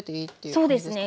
そうですね。